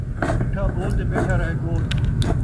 مٹھا ٻول تے ٻیٹھا رہ کول